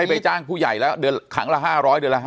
ไม่ไปจ้างผู้ใหญ่แล้วเดือนครั้งละห้าร้อยเดือนละห้าร้อย